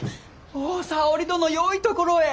おぉ沙織殿よいところへ。